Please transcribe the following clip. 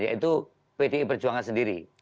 yaitu bd perjuangan sendiri